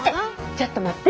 ちょっと待って。